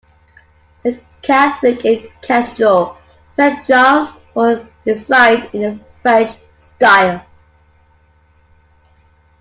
The Catholic cathedral, Saint John's, was designed in a French style.